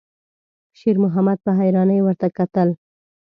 شېرمحمد په حيرانۍ ورته کتل.